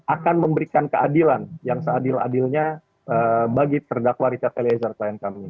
akan memberikan keadilan yang seadil adilnya bagi terdakwa richard eliezer klien kami